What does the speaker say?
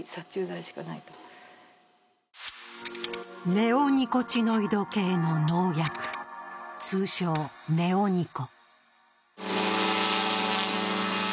ネオニコチノイド系の農薬通称・ネオニコ。